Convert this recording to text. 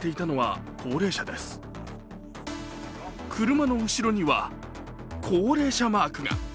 車の後ろには、高齢者マークが。